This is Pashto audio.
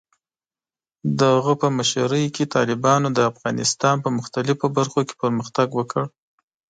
د هغه په مشرۍ کې، طالبانو د افغانستان په مختلفو برخو کې پرمختګ وکړ.